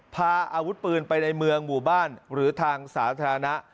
พาอาวุธปืนไปในเมืองหมู่บ้านหรือทางสาธารณะ